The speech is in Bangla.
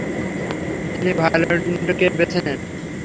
তিনি ভায়োলান্টকেই বেছে নেন।